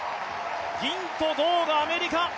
銀と銅がアメリカ。